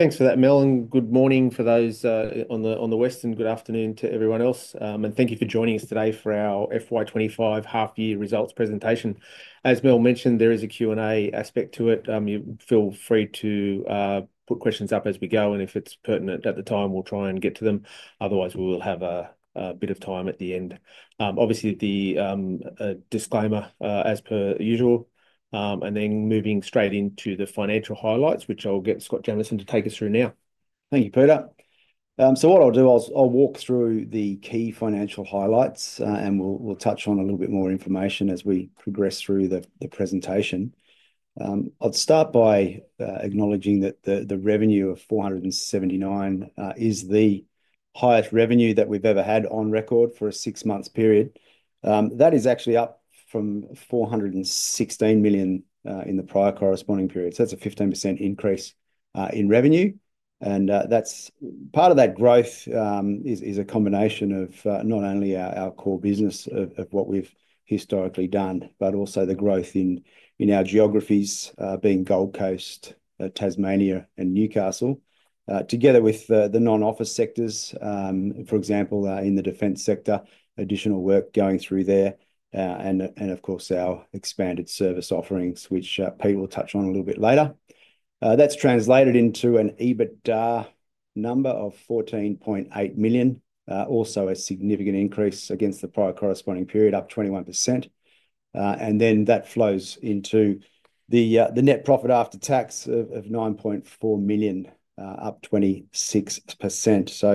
Thanks for that, Mel. Good morning for those on the west, and good afternoon to everyone else. Thank you for joining us today for our FY25 half-year results presentation. As Mel mentioned, there is a Q&A aspect to it. You feel free to put questions up as we go, and if it's pertinent at the time, we'll try and get to them. Otherwise, we will have a bit of time at the end. Obviously, the disclaimer as per usual, and then moving straight into the financial highlights, which I'll get Scott Jamieson to take us through now. Thank you, Peter. What I'll do, I'll walk through the key financial highlights, and we'll touch on a little bit more information as we progress through the presentation. I'll start by acknowledging that the revenue of $479 million is the highest revenue that we've ever had on record for a six-month period. That is actually up from $416 million in the prior corresponding period. That's a 15% increase in revenue. Part of that growth is a combination of not only our core business of what we've historically done, but also the growth in our geographies, being Gold Coast, Tasmania, and Newcastle, together with the non-office sectors. For example, in the defence sector, additional work going through there, and of course, our expanded service offerings, which Peter will touch on a little bit later. That's translated into an EBITDA number of $14.8 million, also a significant increase against the prior corresponding period, up 21%. That flows into the net profit after tax of $9.4 million, up 26%.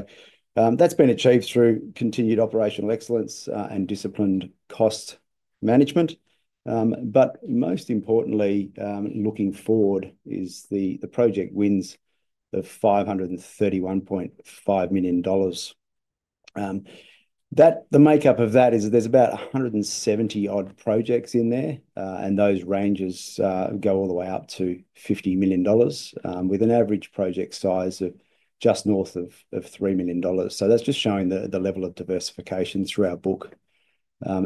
That's been achieved through continued operational excellence and disciplined cost management. Most importantly, looking forward, is the project wins of $531.5 million. The makeup of that is there's about 170-odd projects in there, and those ranges go all the way up to $50 million, with an average project size of just north of $3 million. That's just showing the level of diversification through our book.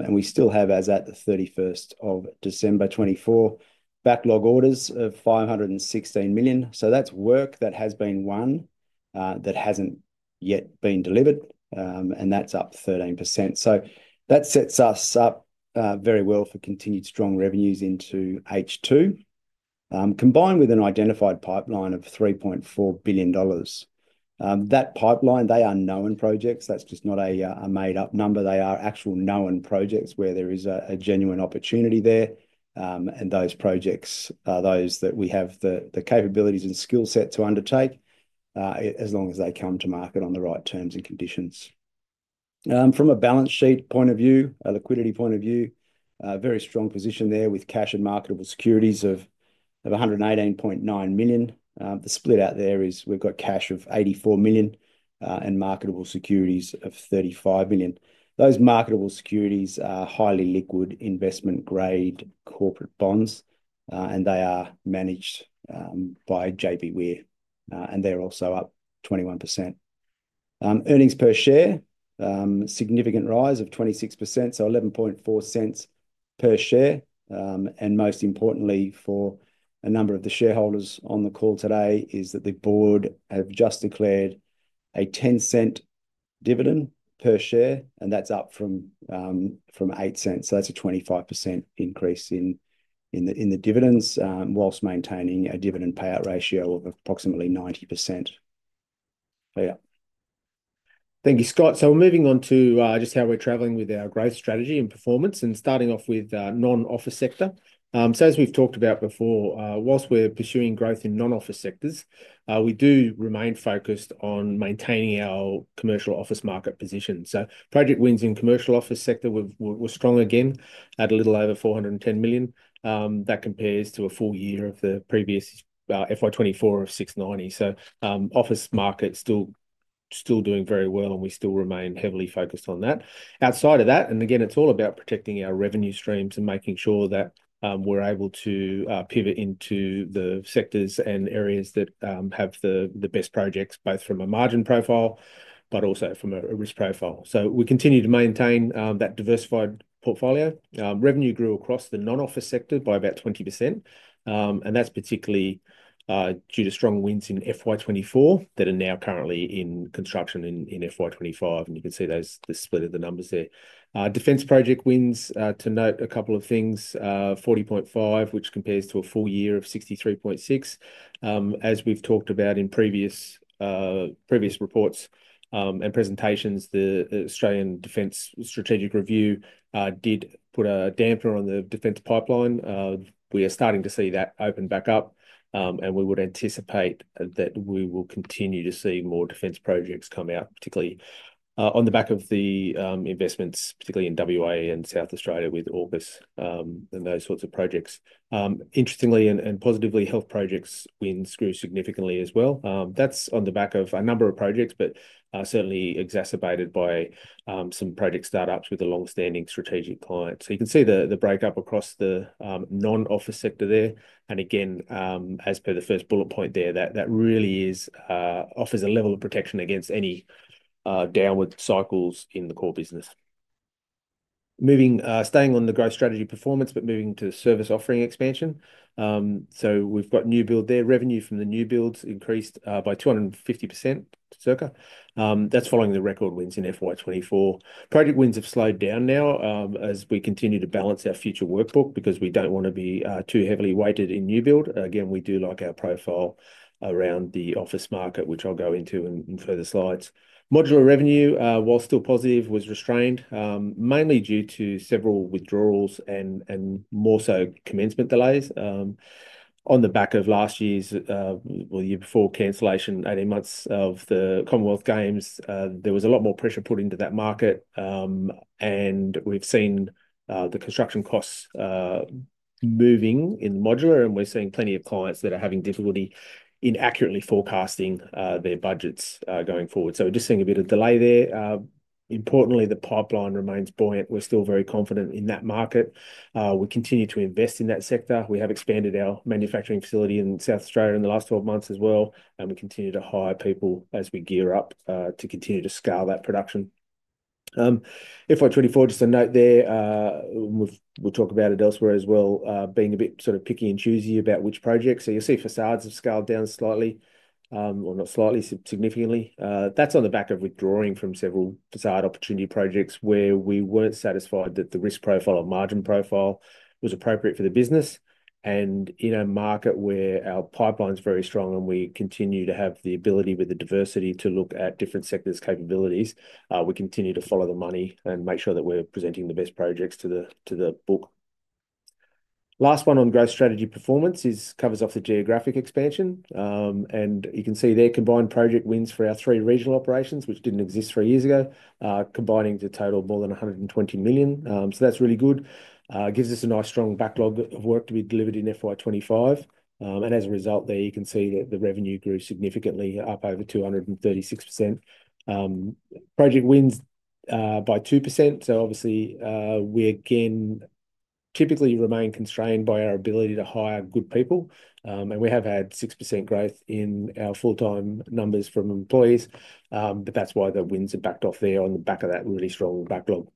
We still have, as at 31st of December 2024, backlog orders of $516 million. That's work that has been won that hasn't yet been delivered, and that's up 13%. That sets us up very well for continued strong revenues into H2, combined with an identified pipeline of $3.4 billion. That pipeline, they are known projects. That's just not a made-up number. They are actual known projects where there is a genuine opportunity there. Those projects are those that we have the capabilities and skill set to undertake as long as they come to market on the right terms and conditions. From a balance sheet point of view, a liquidity point of view, a very strong position there with cash and marketable securities of $118.9 million. The split out there is we've got cash of $84 million and marketable securities of $35 million. Those marketable securities are highly liquid investment-grade corporate bonds, and they are managed by JBWere, and they're also up 21%. Earnings per share, significant rise of 26%, so $0.114 per share. Most importantly for a number of the shareholders on the call today is that the board have just declared a $0.10 dividend per share, and that's up from $0.08. That is a 25% increase in the dividends whilst maintaining a dividend payout ratio of approximately 90%. Yeah. Thank you, Scott. We are moving on to just how we're travelling with our growth strategy and performance, and starting off with non-office sector. As we've talked about before, whilst we're pursuing growth in non-office sectors, we do remain focused on maintaining our commercial office market position. Project wins in commercial office sector were strong again at a little over $410 million. That compares to a full year of the previous FY24 of $690 million. Office market still doing very well, and we still remain heavily focused on that. Outside of that, it's all about protecting our revenue streams and making sure that we're able to pivot into the sectors and areas that have the best projects, both from a margin profile, but also from a risk profile. We continue to maintain that diversified portfolio. Revenue grew across the non-office sector by about 20%, and that's particularly due to strong wins in FY24 that are now currently in construction in FY25. You can see the split of the numbers there. Defence project wins, to note a couple of things, $40.5 million, which compares to a full year of $63.6 million. As we've talked about in previous reports and presentations, the Australian Defence Strategic Review did put a damper on the defence pipeline. We are starting to see that open back up, and we would anticipate that we will continue to see more defence projects come out, particularly on the back of the investments, particularly in WA and South Australia with AUKUS and those sorts of projects. Interestingly and positively, health projects wins grew significantly as well. That's on the back of a number of projects, but certainly exacerbated by some project startups with a long-standing strategic client. You can see the breakup across the non-office sector there. As per the first bullet point there, that really offers a level of protection against any downward cycles in the core business. Staying on the growth strategy performance, but moving to service offering expansion. We have new build there. Revenue from the new builds increased by 250% circa. That's following the record wins in FY24. Project wins have slowed down now as we continue to balance our future workbook because we do not want to be too heavily weighted in new build. Again, we do like our profile around the office market, which I will go into in further slides. Modular revenue, while still positive, was restrained mainly due to several withdrawals and more so commencement delays. On the back of last year's, the year before cancellation, 18 months of the Commonwealth Games, there was a lot more pressure put into that market. We have seen the construction costs moving in the modular, and we are seeing plenty of clients that are having difficulty in accurately forecasting their budgets going forward. We are just seeing a bit of delay there. Importantly, the pipeline remains buoyant. We are still very confident in that market. We continue to invest in that sector. We have expanded our manufacturing facility in South Australia in the last 12 months as well. We continue to hire people as we gear up to continue to scale that production. FY24, just a note there, we'll talk about it elsewhere as well, being a bit sort of picky and choosy about which projects. You will see facades have scaled down slightly, or not slightly, significantly. That is on the back of withdrawing from several facade opportunity projects where we were not satisfied that the risk profile or margin profile was appropriate for the business. In a market where our pipeline is very strong and we continue to have the ability with the diversity to look at different sectors' capabilities, we continue to follow the money and make sure that we are presenting the best projects to the book. Last one on growth strategy performance covers off the geographic expansion. You can see there combined project wins for our three regional operations, which did not exist three years ago, combining to total more than $120 million. That is really good. It gives us a nice strong backlog of work to be delivered in FY2025. As a result, you can see that the revenue grew significantly, up over 236%. Project wins by 2%. Obviously, we again typically remain constrained by our ability to hire good people. We have had 6% growth in our full-time numbers from employees. That is why the wins are backed off there on the back of that really strong backlog.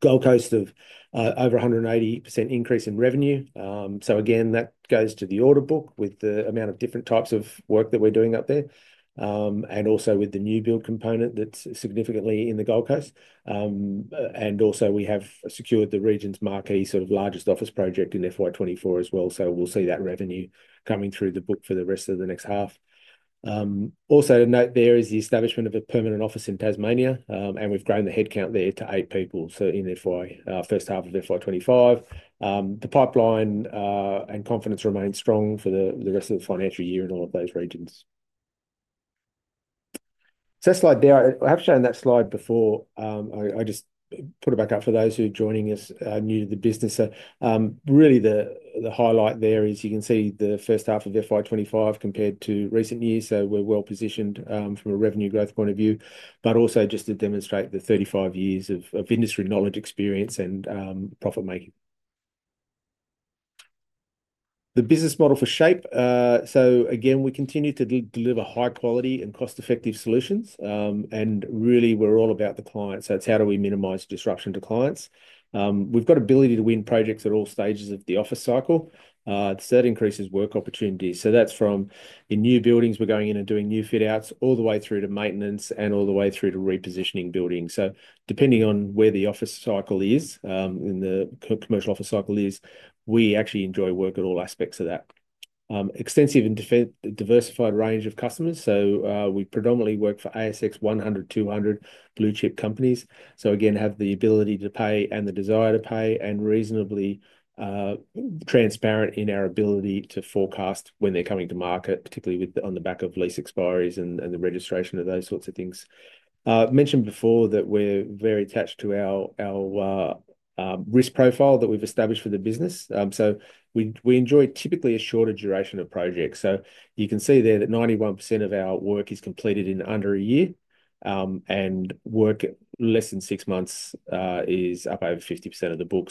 Gold Coast of over 180% increase in revenue. That goes to the order book with the amount of different types of work that we are doing up there, and also with the new build component that is significantly in the Gold Coast. We have also secured the region's marquee sort of largest office project in FY24 as well. We will see that revenue coming through the book for the rest of the next half. Also to note, there is the establishment of a permanent office in Tasmania, and we have grown the headcount there to eight people. In the first half of FY25, the pipeline and confidence remain strong for the rest of the financial year in all of those regions. That slide there, I have shown that slide before. I just put it back up for those who are joining us new to the business. Really, the highlight there is you can see the first half of FY25 compared to recent years. We are well positioned from a revenue growth point of view, but also just to demonstrate the 35 years of industry knowledge, experience, and profit making. The business model for SHAPE. Again, we continue to deliver high-quality and cost-effective solutions. Really, we're all about the client. It's how do we minimize disruption to clients. We've got ability to win projects at all stages of the office cycle. That increases work opportunities. That's from new buildings, we're going in and doing new fit-outs, all the way through to maintenance and all the way through to repositioning buildings. Depending on where the office cycle is, in the commercial office cycle, we actually enjoy work at all aspects of that. Extensive and diversified range of customers. We predominantly work for ASX 100, 200 blue chip companies. Again, have the ability to pay and the desire to pay and reasonably transparent in our ability to forecast when they're coming to market, particularly on the back of lease expiries and the registration of those sorts of things. Mentioned before that we're very attached to our risk profile that we've established for the business. We enjoy typically a shorter duration of projects. You can see there that 91% of our work is completed in under a year, and work less than six months is up over 50% of the book.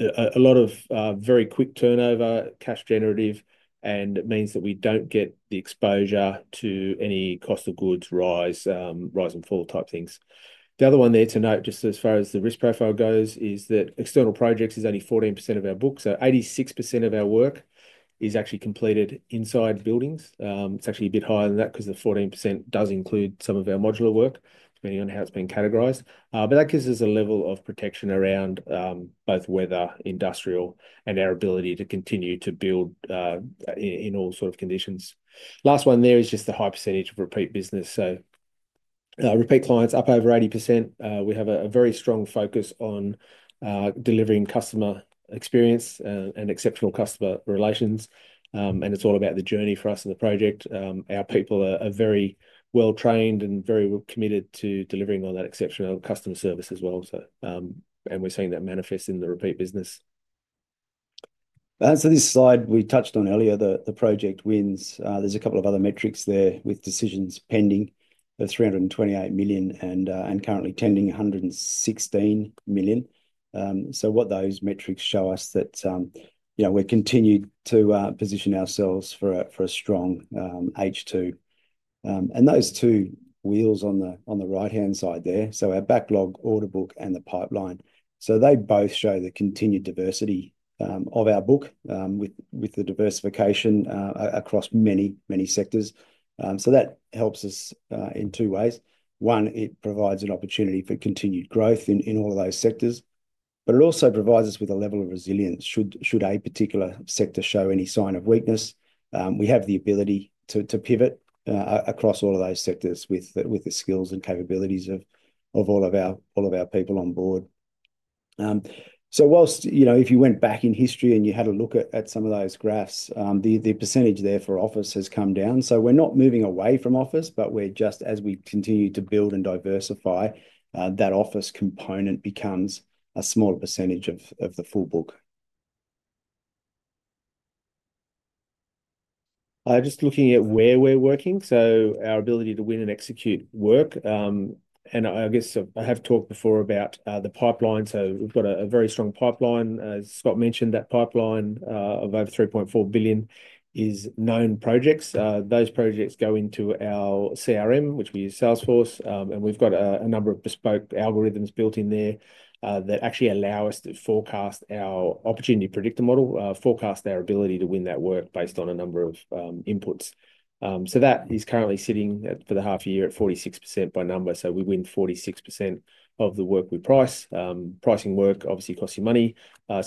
A lot of very quick turnover, cash generative, and it means that we don't get the exposure to any cost of goods rise, rise and fall type things. The other one there to note, just as far as the risk profile goes, is that external projects is only 14% of our book. Eighty-six percent of our work is actually completed inside buildings. It's actually a bit higher than that because the 14% does include some of our modular work, depending on how it's been categorized. That gives us a level of protection around both weather, industrial, and our ability to continue to build in all sorts of conditions. The last one there is just the high percentage of repeat business. Repeat clients are up over 80%. We have a very strong focus on delivering customer experience and exceptional customer relations. It's all about the journey for us and the project. Our people are very well trained and very committed to delivering on that exceptional customer service as well. We're seeing that manifest in the repeat business. This slide we touched on earlier, the project wins. There's a couple of other metrics there with decisions pending of $328 million and currently tendering $116 million. What those metrics show us is that we're continued to position ourselves for a strong H2. Those two wheels on the right-hand side there, our backlog, order book, and the pipeline, both show the continued diversity of our book with the diversification across many, many sectors. That helps us in two ways. One, it provides an opportunity for continued growth in all of those sectors, but it also provides us with a level of resilience. Should a particular sector show any sign of weakness, we have the ability to pivot across all of those sectors with the skills and capabilities of all of our people on board. Whilst if you went back in history and you had a look at some of those graphs, the % there for office has come down. We're not moving away from office, but we're just, as we continue to build and diversify, that office component becomes a smaller % of the full book. Just looking at where we're working, our ability to win and execute work. I guess I have talked before about the pipeline. We've got a very strong pipeline. As Scott mentioned, that pipeline of over $3.4 billion is known projects. Those projects go into our CRM, which we use Salesforce. We've got a number of bespoke algorithms built in there that actually allow us to forecast our Opportunity Predictor Model, forecast our ability to win that work based on a number of inputs. That is currently sitting for the half year at 46% by number. We win 46% of the work we price. Pricing work obviously costs you money.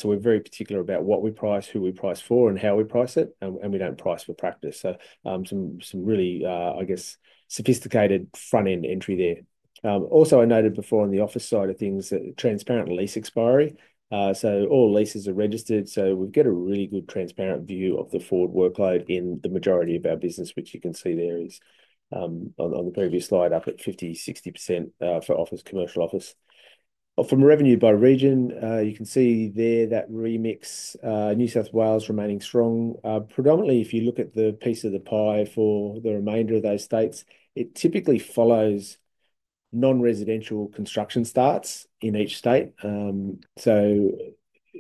We're very particular about what we price, who we price for, and how we price it. We don't price for practice. Some really, I guess, sophisticated front-end entry there. Also, I noted before on the office side of things, transparent lease expiry. All leases are registered. We have a really good transparent view of the forward workload in the majority of our business, which you can see there is on the previous slide up at 50%-60% for commercial office. From revenue by region, you can see there that New South Wales remains strong. Predominantly, if you look at the piece of the pie for the remainder of those states, it typically follows non-residential construction starts in each state.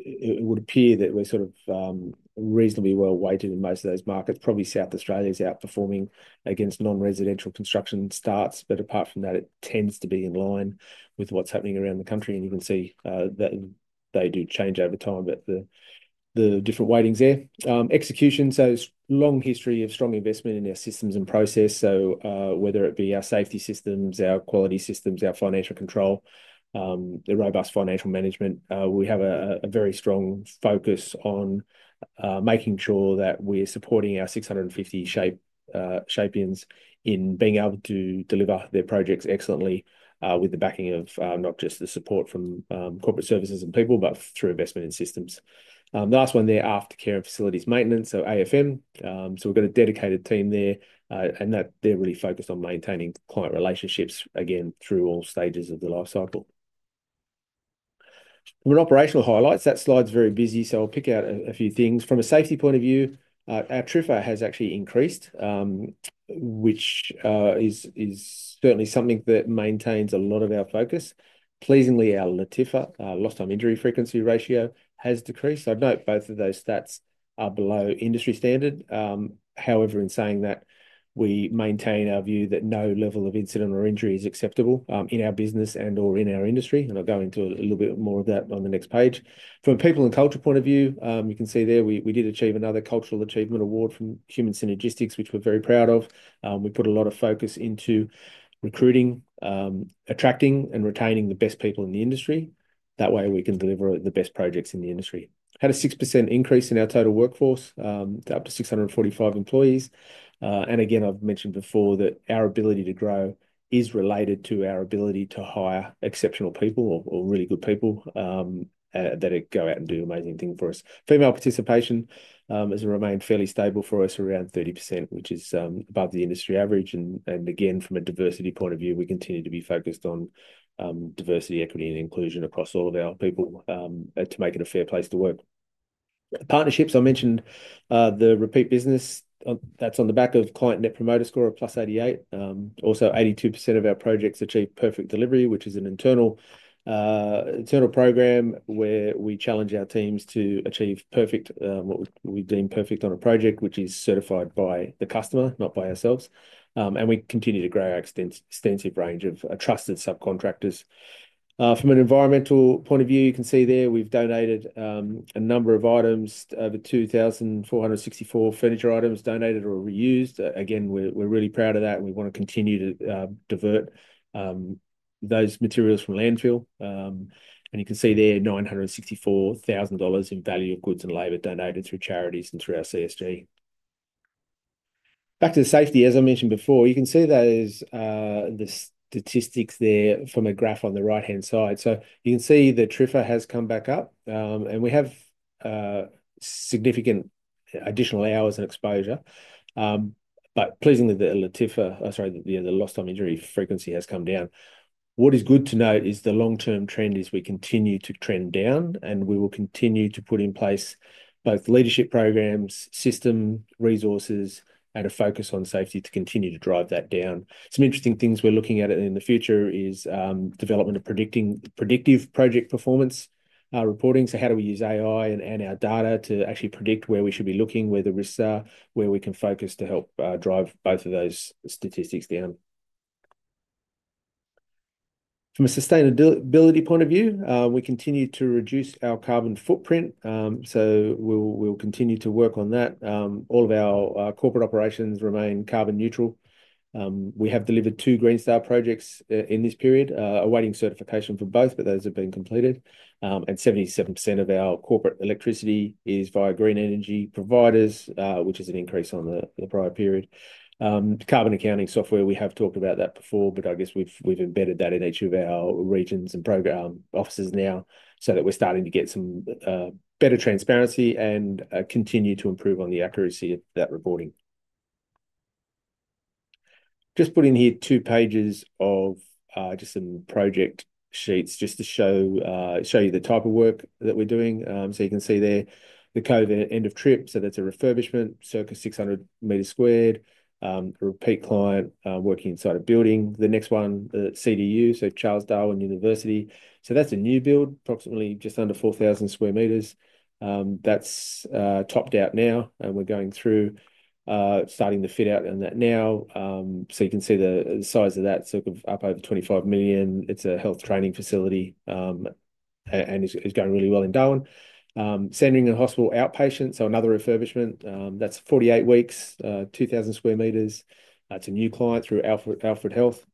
It would appear that we are reasonably well weighted in most of those markets. Probably South Australia is outperforming against non-residential construction starts. Apart from that, it tends to be in line with what is happening around the country. You can see that they do change over time, but the different weightings are there. Execution, long history of strong investment in our systems and process. Whether it be our safety systems, our quality systems, our financial control, the robust financial management, we have a very strong focus on making sure that we're supporting our 650 Shapians in being able to deliver their projects excellently with the backing of not just the support from corporate services and people, but through investment in systems. Last one there, Aftercare and Facilities Maintenance, AFM. We've got a dedicated team there. They're really focused on maintaining client relationships, again, through all stages of the life cycle. From an operational highlights, that slide's very busy. I'll pick out a few things. From a safety point of view, our TRIFR has actually increased, which is certainly something that maintains a lot of our focus. Pleasingly, our LTIFR, lost time injury frequency ratio, has decreased. I'd note both of those stats are below industry standard. However, in saying that, we maintain our view that no level of incident or injury is acceptable in our business and/or in our industry. I will go into a little bit more of that on the next page. From a people and culture point of view, you can see there we did achieve another Cultural Achievement Award from Human Synergistics, which we're very proud of. We put a lot of focus into recruiting, attracting, and retaining the best people in the industry. That way, we can deliver the best projects in the industry. Had a 6% increase in our total workforce to up to 645 employees. Again, I've mentioned before that our ability to grow is related to our ability to hire exceptional people or really good people that go out and do amazing things for us. Female participation has remained fairly stable for us, around 30%, which is above the industry average. From a diversity point of view, we continue to be focused on diversity, equity, and inclusion across all of our people to make it a fair place to work. Partnerships, I mentioned the repeat business. That is on the back of client Net Promoter Score of +88. Also, 82% of our projects achieve Perfect Delivery, which is an internal program where we challenge our teams to achieve what we deem perfect on a project, which is certified by the customer, not by ourselves. We continue to grow our extensive range of trusted subcontractors. From an environmental point of view, you can see there we have donated a number of items, over 2,464 furniture items donated or reused. We are really proud of that. We want to continue to divert those materials from landfill. You can see there $964,000 in value of goods and labor donated through charities and through our CSG. Back to the safety, as I mentioned before, you can see those statistics there from a graph on the right-hand side. You can see the TRIFR has come back up. We have significant additional hours and exposure. Pleasingly, the LTIFR, sorry, the lost time injury frequency, has come down. What is good to note is the long-term trend is we continue to trend down. We will continue to put in place both leadership programs, system resources, and a focus on safety to continue to drive that down. Some interesting things we're looking at in the future is development of predictive project performance reporting. How do we use AI and our data to actually predict where we should be looking, where the risks are, where we can focus to help drive both of those statistics down. From a sustainability point of view, we continue to reduce our carbon footprint. We will continue to work on that. All of our corporate operations remain carbon neutral. We have delivered two Green Star projects in this period, awaiting certification for both, but those have been completed. 77% of our corporate electricity is via green energy providers, which is an increase on the prior period. Carbon accounting software, we have talked about that before, but I guess we have embedded that in each of our regions and program offices now so that we are starting to get some better transparency and continue to improve on the accuracy of that reporting. Just put in here two pages of just some project sheets just to show you the type of work that we're doing. You can see there The Cove End of Trip. That is a refurbishment, circa 600 sq m. Repeat client working inside a building. The next one, CDU, so Charles Darwin University. That is a new build, approximately just under 4,000 sq m. That is topped out now. We are going through starting to fit out in that now. You can see the size of that, circa up over $25 million. It is a health training facility and is going really well in Darwin. Sandringham Hospital Outpatients, another refurbishment. That is 48 weeks, 2,000 sq m. It is a new client through Alfred Health.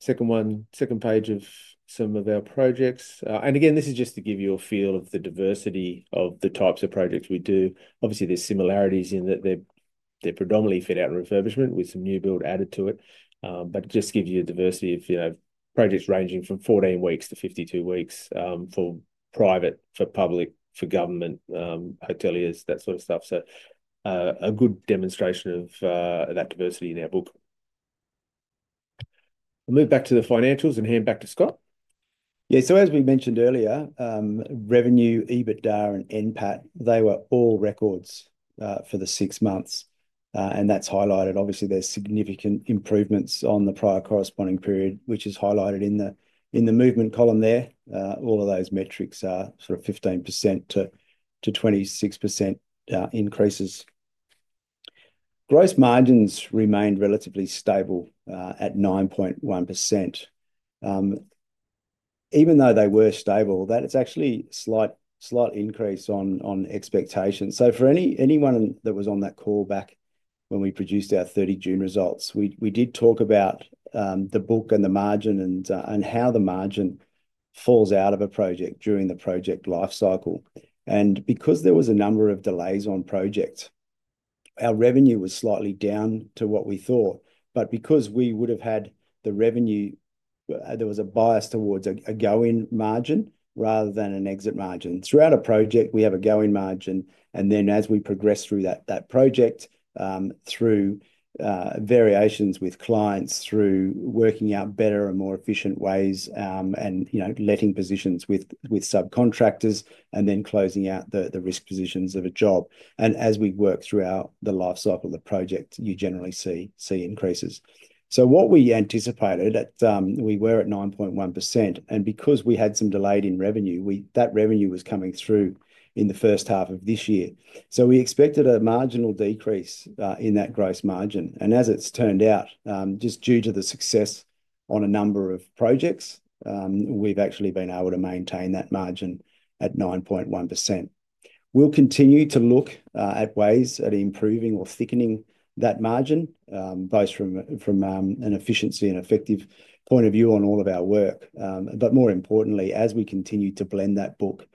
Second one, second page of some of our projects. This is just to give you a feel of the diversity of the types of projects we do. Obviously, there are similarities in that they are predominantly fitout and refurbishment with some new build added to it. It just gives you a diversity of projects ranging from 14 weeks to 52 weeks for private, for public, for government, hoteliers, that sort of stuff. A good demonstration of that diversity in our book. I will move back to the financials and hand back to Scott. Yeah, as we mentioned earlier, revenue, EBITDA, and NPAT, they were all records for the six months. That is highlighted. Obviously, there are significant improvements on the prior corresponding period, which is highlighted in the movement column there. All of those metrics are sort of 15%-26% increases. Gross margins remained relatively stable at 9.1%. Even though they were stable, that is actually a slight increase on expectations. For anyone that was on that call back when we produced our 30 June results, we did talk about the book and the margin and how the margin falls out of a project during the project life cycle. Because there was a number of delays on projects, our revenue was slightly down to what we thought. Because we would have had the revenue, there was a bias towards a going margin rather than an exit margin. Throughout a project, we have a going margin. As we progress through that project, through variations with clients, through working out better and more efficient ways, and letting positions with subcontractors, and then closing out the risk positions of a job. As we work throughout the life cycle of the project, you generally see increases. What we anticipated, we were at 9.1%. Because we had some delayed in revenue, that revenue was coming through in the first half of this year. We expected a marginal decrease in that gross margin. As it has turned out, just due to the success on a number of projects, we have actually been able to maintain that margin at 9.1%. We will continue to look at ways of improving or thickening that margin, both from an efficiency and effective point of view on all of our work. More importantly, as we continue to blend that book,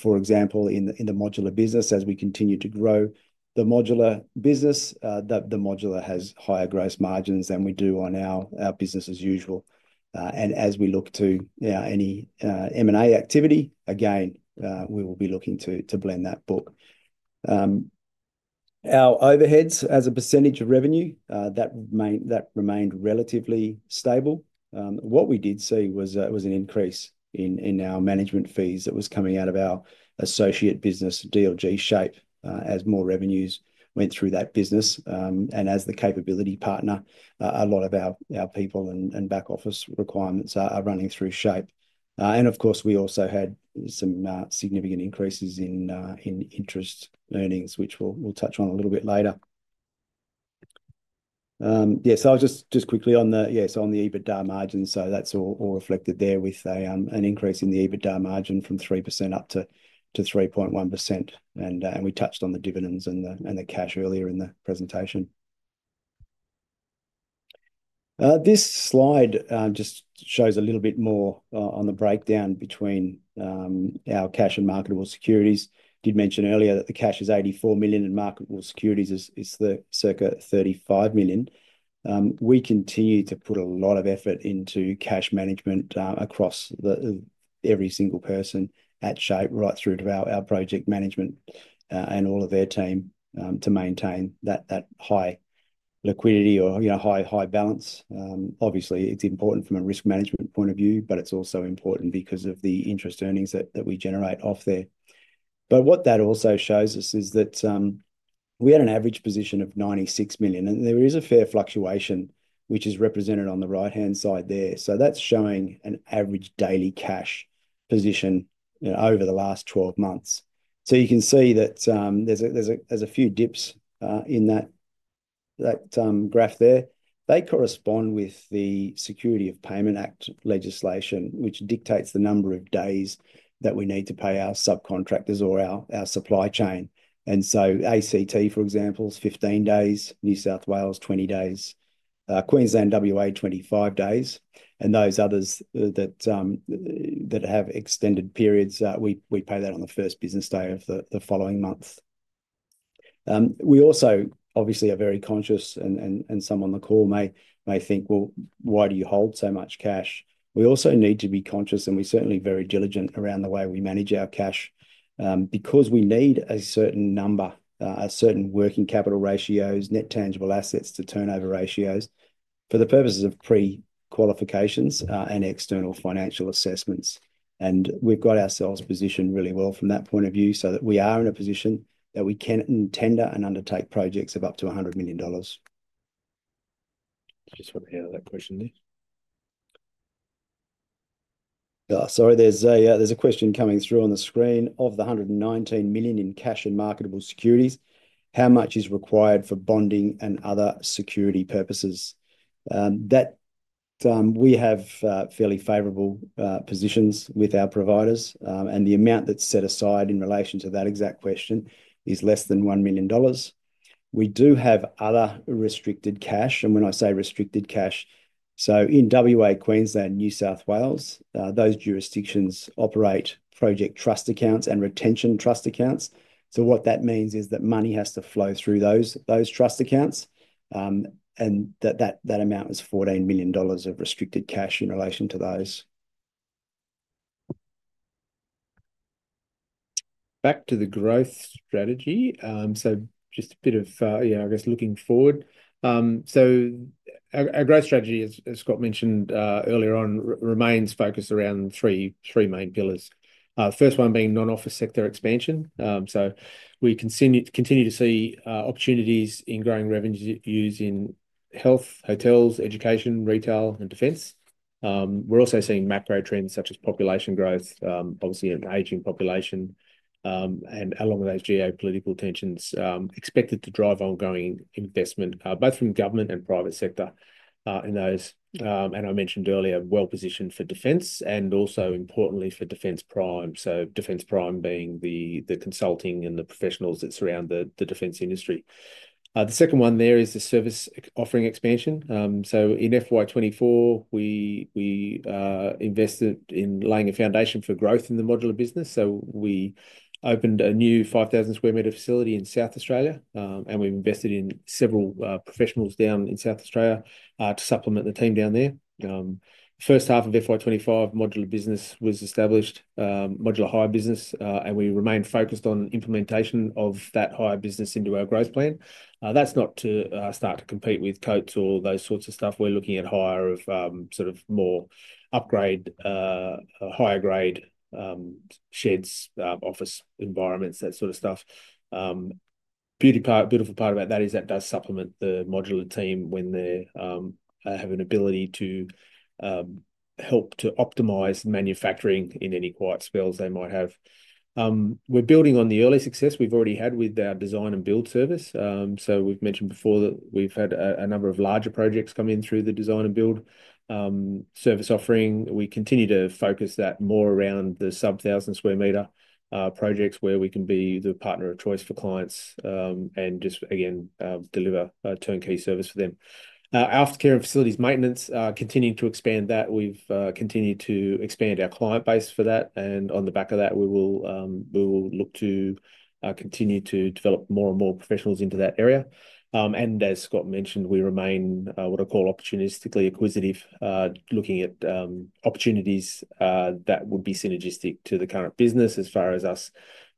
for example, in the modular business, as we continue to grow the modular business, the modular has higher gross margins than we do on our business as usual. As we look to any M&A activity, again, we will be looking to blend that book. Our overheads as a percentage of revenue, that remained relatively stable. What we did see was an increase in our management fees that was coming out of our associate business, DLG SHAPE, as more revenues went through that business. As the capability partner, a lot of our people and back office requirements are running through SHAPE. Of course, we also had some significant increases in interest earnings, which we'll touch on a little bit later. I'll just quickly on the, yeah, so on the EBITDA margin. That is all reflected there with an increase in the EBITDA margin from 3% up to 3.1%. We touched on the dividends and the cash earlier in the presentation. This slide just shows a little bit more on the breakdown between our cash and marketable securities. I did mention earlier that the cash is $84 million and marketable securities is circa $35 million. We continue to put a lot of effort into cash management across every single person at SHAPE, right through to our project management and all of their team to maintain that high liquidity or high balance. Obviously, it is important from a risk management point of view, but it is also important because of the interest earnings that we generate off there. What that also shows us is that we had an average position of $96 million. There is a fair fluctuation, which is represented on the right-hand side there. That is showing an average daily cash position over the last 12 months. You can see that there are a few dips in that graph there. They correspond with the Security of Payment Act legislation, which dictates the number of days that we need to pay our subcontractors or our supply chain. ACT, for example, is 15 days. New South Wales, 20 days. Queensland and WA, 25 days. Those others that have extended periods, we pay that on the first business day of the following month. We also, obviously, are very conscious, and some on the call may think, "Well, why do you hold so much cash?" We also need to be conscious, and we're certainly very diligent around the way we manage our cash because we need a certain number, a certain working capital ratios, net tangible assets to turnover ratios for the purposes of pre-qualifications and external financial assessments. We have got ourselves positioned really well from that point of view so that we are in a position that we can tender and undertake projects of up to $100 million. Just want to hear that question there. Sorry, there's a question coming through on the screen. Of the $119 million in cash and marketable securities, how much is required for bonding and other security purposes? We have fairly favorable positions with our providers. The amount that's set aside in relation to that exact question is less than $1 million. We do have other restricted cash. When I say restricted cash, in Western Australia, Queensland, New South Wales, those jurisdictions operate project trust accounts and retention trust accounts. That means money has to flow through those trust accounts. That amount is $14 million of restricted cash in relation to those. Back to the growth strategy. Just a bit of, yeah, I guess looking forward. Our growth strategy, as Scott mentioned earlier on, remains focused around three main pillars. The first one being non-office sector expansion. We continue to see opportunities in growing revenues using health, hotels, education, retail, and defence. We are also seeing macro trends such as population growth, obviously an aging population, and along with those geopolitical tensions expected to drive ongoing investment, both from government and private sector in those. I mentioned earlier, well positioned for defence and also importantly for Defence Prime. Defence Prime being the consulting and the professionals that surround the defence industry. The second one there is the service offering expansion. In FY24, we invested in laying a foundation for growth in the modular business. We opened a new 5,000 sq m facility in South Australia. We have invested in several professionals down in South Australia to supplement the team down there. First half of FY25, modular business was established, modular hire business. We remained focused on implementation of that hire business into our growth plan. That is not to start to compete with Coates or those sorts of stuff. We are looking at hire of sort of more upgrade, higher grade sheds, office environments, that sort of stuff. The beautiful part about that is that does supplement the modular team when they have an ability to help to optimize manufacturing in any quiet spells they might have. We are building on the early success we have already had with our design and build service. We have mentioned before that we have had a number of larger projects come in through the design and build service offering. We continue to focus that more around the sub 1,000 sq m projects where we can be the partner of choice for clients and just, again, deliver turnkey service for them. Our healthcare and facilities maintenance, continuing to expand that. We've continued to expand our client base for that. On the back of that, we will look to continue to develop more and more professionals into that area. As Scott mentioned, we remain what I call opportunistically acquisitive, looking at opportunities that would be synergistic to the current business as far as us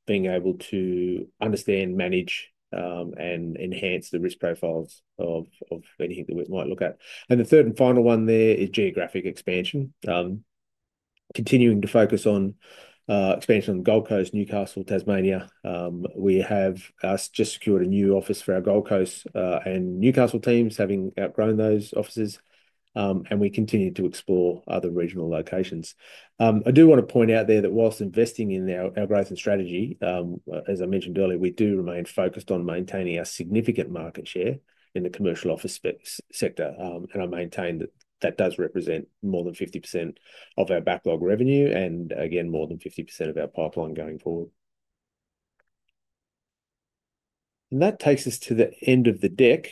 being able to understand, manage, and enhance the risk profiles of anything that we might look at. The third and final one there is geographic expansion. Continuing to focus on expansion on the Gold Coast, Newcastle, Tasmania. We have just secured a new office for our Gold Coast and Newcastle teams, having outgrown those offices. We continue to explore other regional locations. I do want to point out there that whilst investing in our growth and strategy, as I mentioned earlier, we do remain focused on maintaining our significant market share in the commercial office sector. I maintain that that does represent more than 50% of our backlog revenue and, again, more than 50% of our pipeline going forward. That takes us to the end of the deck.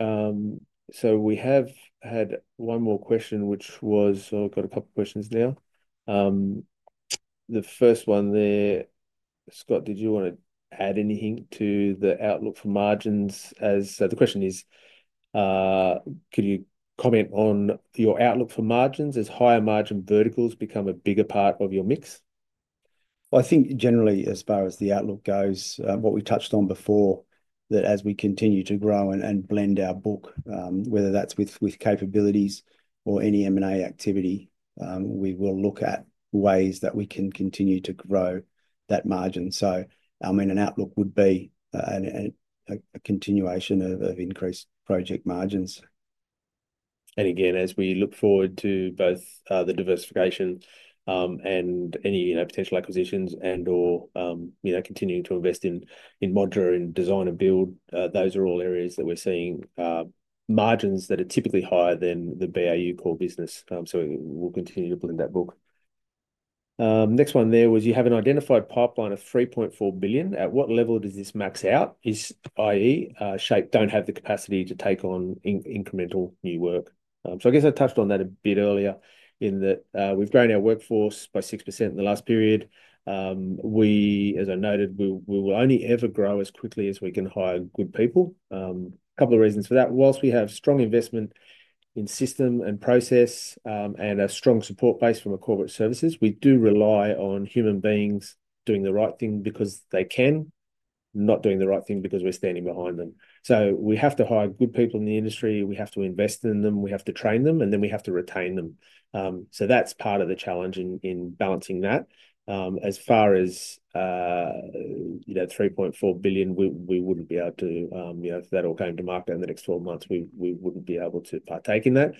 We have had one more question, which was, so I have got a couple of questions now. The first one there, Scott, did you want to add anything to the outlook for margins? The question is, could you comment on your outlook for margins as higher margin verticals become a bigger part of your mix? I think generally, as far as the outlook goes, what we touched on before, that as we continue to grow and blend our book, whether that's with capabilities or any M&A activity, we will look at ways that we can continue to grow that margin. I mean, an outlook would be a continuation of increased project margins. As we look forward to both the diversification and any potential acquisitions and/or continuing to invest in modular and design and build, those are all areas that we're seeing margins that are typically higher than the BAU core business. We will continue to blend that book. Next one there was, you have an identified pipeline of $3.4 billion. At what level does this max out? IE, SHAPE don't have the capacity to take on incremental new work. I guess I touched on that a bit earlier in that we've grown our workforce by 6% in the last period. As I noted, we will only ever grow as quickly as we can hire good people. A couple of reasons for that. Whilst we have strong investment in system and process and a strong support base from our corporate services, we do rely on human beings doing the right thing because they can, not doing the right thing because we're standing behind them. We have to hire good people in the industry. We have to invest in them. We have to train them. We have to retain them. That is part of the challenge in balancing that. As far as $3.4 billion, we would not be able to, if that all came to market in the next 12 months, we would not be able to partake in that.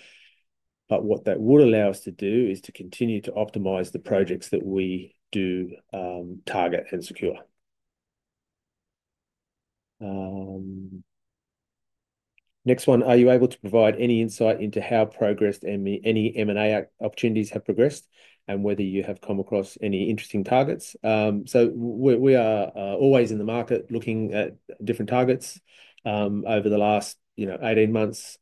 What that would allow us to do is to continue to optimize the projects that we do target and secure. Next one, are you able to provide any insight into how progressed any M&A opportunities have progressed and whether you have come across any interesting targets? We are always in the market looking at different targets. Over the last 18 months,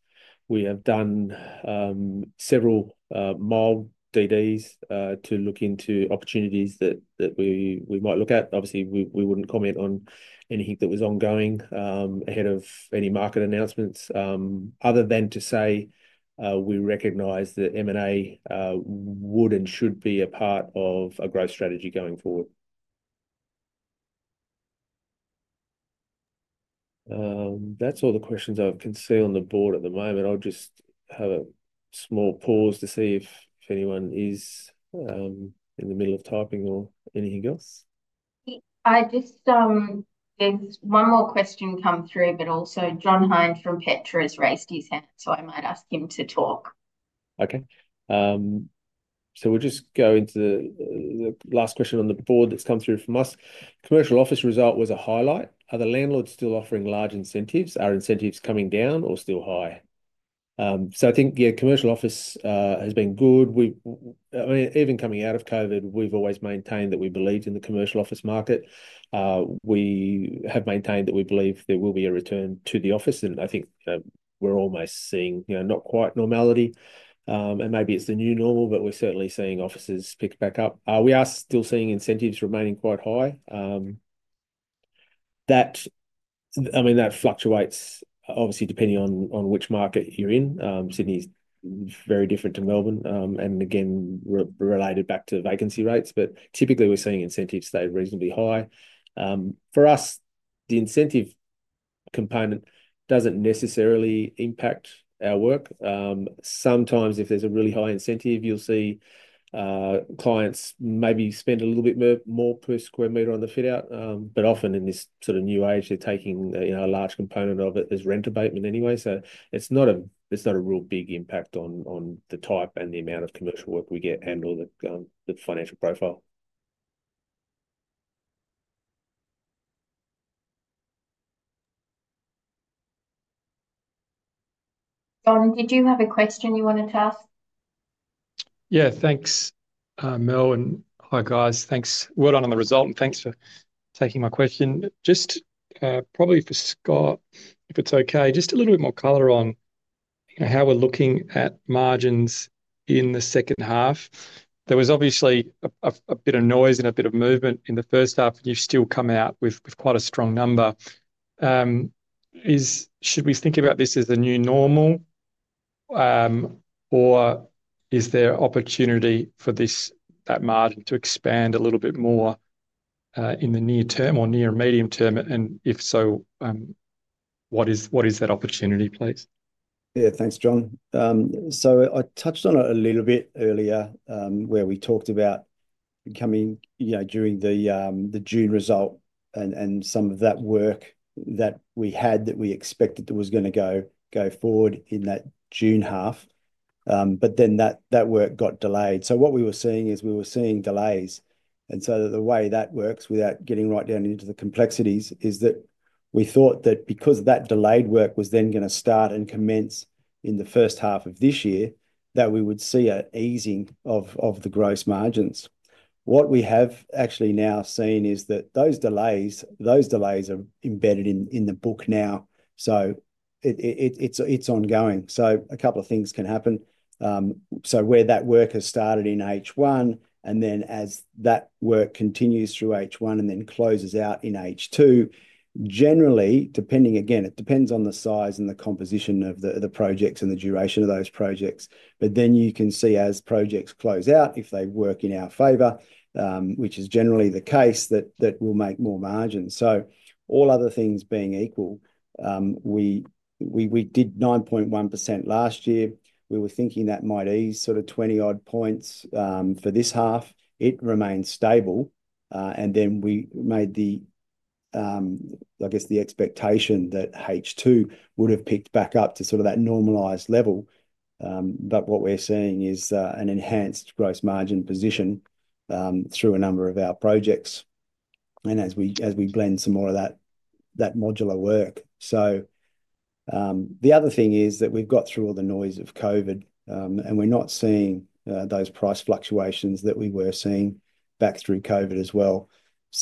we have done several mild DDs to look into opportunities that we might look at. Obviously, we would not comment on anything that was ongoing ahead of any market announcements other than to say we recognize that M&A would and should be a part of a growth strategy going forward. That is all the questions I can see on the board at the moment. I will just have a small pause to see if anyone is in the middle of typing or anything else. I just, there's one more question come through, but also John Hinds from Petra has raised his hand, so I might ask him to talk. Okay. We'll just go into the last question on the board that's come through from us. Commercial office result was a highlight. Are the landlords still offering large incentives? Are incentives coming down or still high? I think, yeah, commercial office has been good. I mean, even coming out of COVID, we've always maintained that we believed in the commercial office market. We have maintained that we believe there will be a return to the office. I think we're almost seeing not quite normality. Maybe it's the new normal, but we're certainly seeing offices pick back up. We are still seeing incentives remaining quite high. That fluctuates, obviously, depending on which market you're in. Sydney is very different to Melbourne. Again, related back to vacancy rates. Typically, we're seeing incentives stay reasonably high. For us, the incentive component does not necessarily impact our work. Sometimes, if there is a really high incentive, you will see clients maybe spend a little bit more per square meter on the fitout. Often, in this sort of new age, they are taking a large component of it as rent abatement anyway. It is not a real big impact on the type and the amount of commercial work we get and/or the financial profile. John, did you have a question you wanted to ask? Yeah, thanks, Mel and hi guys. Thanks. Well done on the result. Thanks for taking my question. Just probably for Scott, if it's okay, just a little bit more color on how we're looking at margins in the second half. There was obviously a bit of noise and a bit of movement in the first half, and you've still come out with quite a strong number. Should we think about this as a new normal, or is there opportunity for that margin to expand a little bit more in the near term or near medium term? If so, what is that opportunity, please? Yeah, thanks, John. I touched on it a little bit earlier where we talked about coming during the June result and some of that work that we had that we expected that was going to go forward in that June half. That work got delayed. What we were seeing is we were seeing delays. The way that works, without getting right down into the complexities, is that we thought that because that delayed work was then going to start and commence in the first half of this year, we would see an easing of the gross margins. What we have actually now seen is that those delays are embedded in the book now. It is ongoing. A couple of things can happen. Where that work has started in H1, and then as that work continues through H1 and then closes out in H2, generally, again, it depends on the size and the composition of the projects and the duration of those projects. You can see as projects close out, if they work in our favor, which is generally the case, that we'll make more margins. All other things being equal, we did 9.1% last year. We were thinking that might ease sort of 20-odd points for this half. It remained stable. We made the, I guess, the expectation that H2 would have picked back up to sort of that normalized level. What we're seeing is an enhanced gross margin position through a number of our projects and as we blend some more of that modular work. The other thing is that we've got through all the noise of COVID, and we're not seeing those price fluctuations that we were seeing back through COVID as well.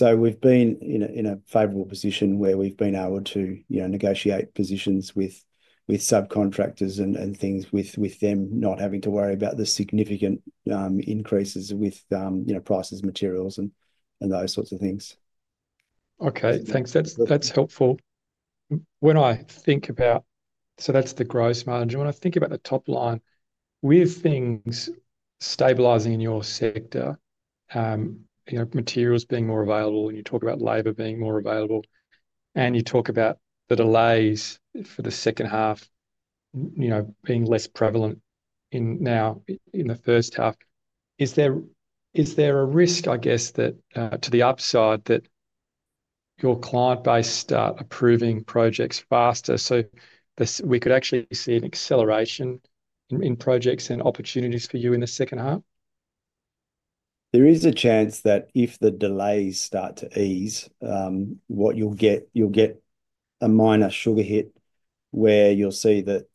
We've been in a favorable position where we've been able to negotiate positions with subcontractors and things with them not having to worry about the significant increases with prices, materials, and those sorts of things. Okay, thanks. That's helpful. When I think about, so that's the gross margin. When I think about the top line, we have things stabilizing in your sector, materials being more available, and you talk about labor being more available, and you talk about the delays for the second half being less prevalent now in the first half. Is there a risk, I guess, to the upside that your client base start approving projects faster? So we could actually see an acceleration in projects and opportunities for you in the second half? There is a chance that if the delays start to ease, what you'll get, you'll get a minor sugar hit where you'll see that,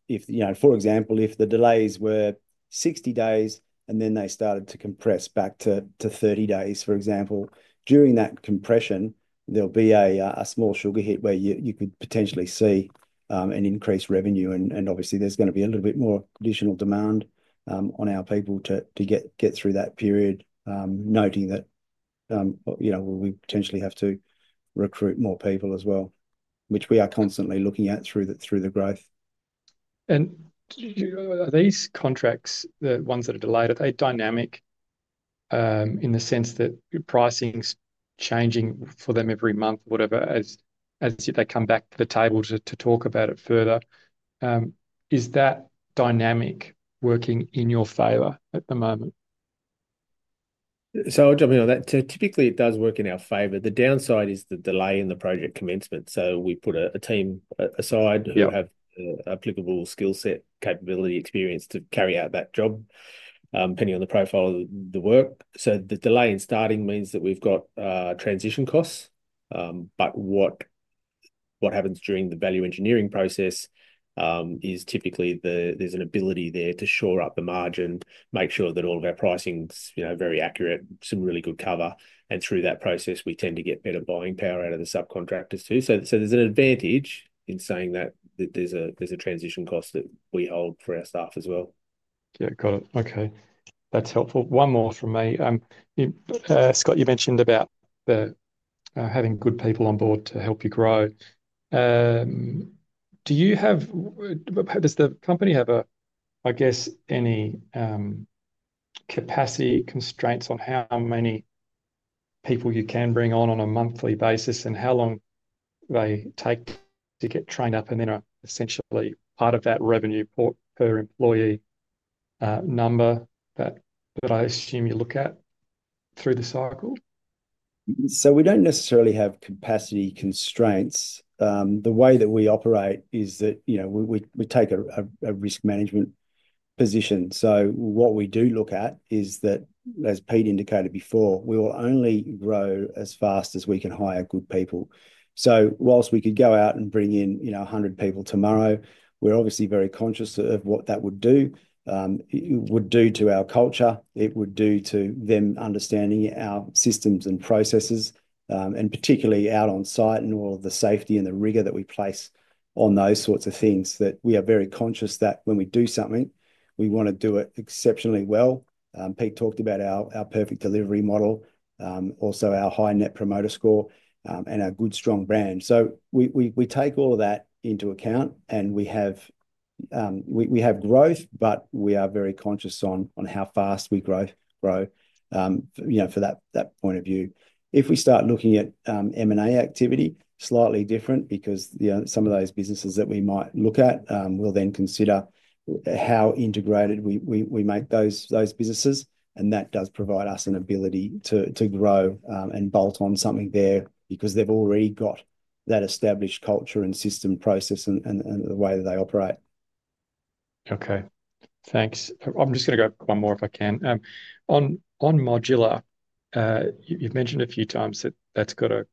for example, if the delays were 60 days and then they started to compress back to 30 days, for example, during that compression, there'll be a small sugar hit where you could potentially see an increased revenue. Obviously, there's going to be a little bit more additional demand on our people to get through that period, noting that we potentially have to recruit more people as well, which we are constantly looking at through the growth. These contracts, the ones that are delayed, are they dynamic in the sense that pricing's changing for them every month or whatever as they come back to the table to talk about it further? Is that dynamic working in your favor at the moment? I'll jump in on that. Typically, it does work in our favor. The downside is the delay in the project commencement. We put a team aside who have applicable skill set, capability, experience to carry out that job, depending on the profile of the work. The delay in starting means that we've got transition costs. What happens during the value engineering process is typically there's an ability there to shore up the margin, make sure that all of our pricing's very accurate, some really good cover. Through that process, we tend to get better buying power out of the subcontractors too. There's an advantage in saying that there's a transition cost that we hold for our staff as well. Yeah, got it. Okay. That's helpful. One more from me. Scott, you mentioned about having good people on board to help you grow. Does the company have, I guess, any capacity constraints on how many people you can bring on on a monthly basis and how long they take to get trained up? And then essentially, part of that revenue per employee number that I assume you look at through the cycle? We do not necessarily have capacity constraints. The way that we operate is that we take a risk management position. What we do look at is that, as Peter indicated before, we will only grow as fast as we can hire good people. Whilst we could go out and bring in 100 people tomorrow, we are obviously very conscious of what that would do to our culture. It would do to them understanding our systems and processes, and particularly out on site and all of the safety and the rigor that we place on those sorts of things, that we are very conscious that when we do something, we want to do it exceptionally well. Peter talked about our Perfect Delivery model, also our high Net Promoter Score, and our good, strong brand. We take all of that into account, and we have growth, but we are very conscious on how fast we grow for that point of view. If we start looking at M&A activity, slightly different because some of those businesses that we might look at, we'll then consider how integrated we make those businesses. That does provide us an ability to grow and bolt on something there because they've already got that established culture and system process and the way that they operate. Okay. Thanks. I'm just going to go one more if I can. On modular, you've mentioned a few times that that's got a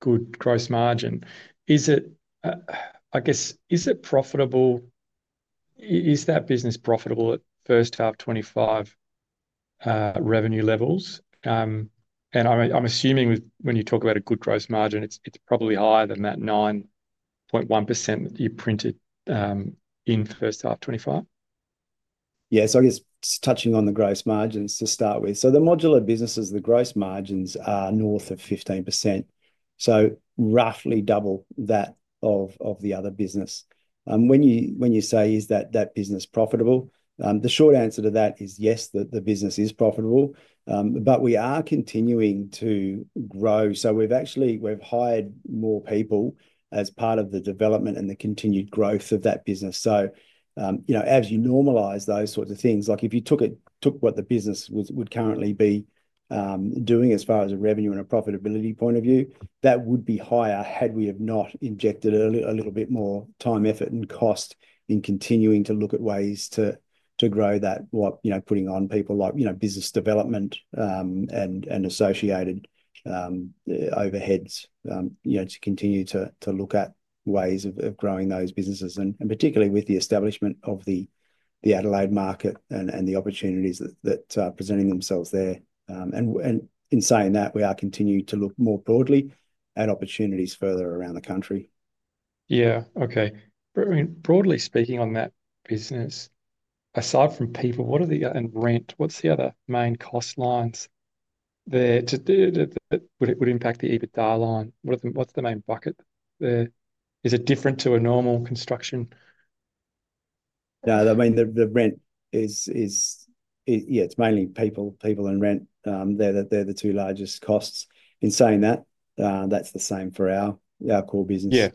good gross margin. I guess, is that business profitable at first half 2025 revenue levels? I'm assuming when you talk about a good gross margin, it's probably higher than that 9.1% that you printed in first half 2025? Yeah. I guess touching on the gross margins to start with. The modular businesses, the gross margins are north of 15%, so roughly double that of the other business. When you say, is that business profitable? The short answer to that is yes, the business is profitable, but we are continuing to grow. We have hired more people as part of the development and the continued growth of that business. As you normalize those sorts of things, like if you took what the business would currently be doing as far as a revenue and a profitability point of view, that would be higher had we have not injected a little bit more time, effort, and cost in continuing to look at ways to grow that while putting on people like business development and associated overheads to continue to look at ways of growing those businesses, and particularly with the establishment of the Adelaide market and the opportunities that are presenting themselves there. In saying that, we are continuing to look more broadly at opportunities further around the country. Yeah. Okay. I mean, broadly speaking on that business, aside from people, what are the other and rent, what's the other main cost lines there? Would it impact the EBITDA line? What's the main bucket there? Is it different to a normal construction? No. I mean, the rent is, yeah, it's mainly people and rent. They're the two largest costs. In saying that, that's the same for our core business.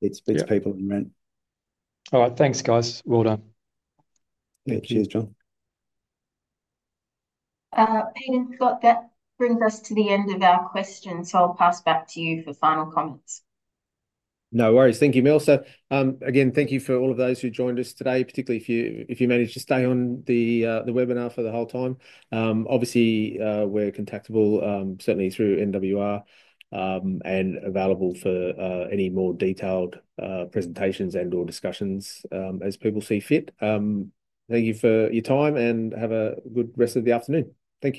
It's people and rent. All right. Thanks, guys. Well done. Yeah. Cheers, John. Peter and Scott, that brings us to the end of our questions. I'll pass back to you for final comments. No worries. Thank you, Mel. Again, thank you for all of those who joined us today, particularly if you managed to stay on the webinar for the whole time. Obviously, we're contactable, certainly through NWR, and available for any more detailed presentations and/or discussions as people see fit. Thank you for your time, and have a good rest of the afternoon. Thank you.